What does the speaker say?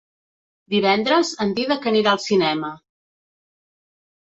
Divendres en Dídac anirà al cinema.